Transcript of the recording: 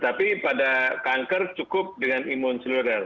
tapi pada kanker cukup dengan imun seluler